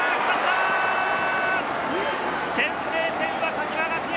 先制点は鹿島学園！